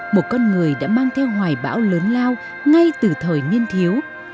một con người đã mang theo hoài bão lớn lao ngay từ thời niên thiếu